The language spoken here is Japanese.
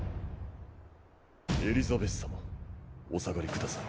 エリザベス様お下がりください。